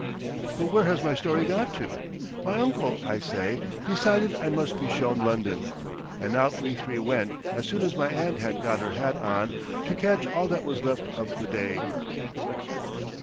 But where has my story got to? My uncle, I say, decided I must be shown London, and out we three went as soon as my aunt had got her hat on, to catch all that was left of the day.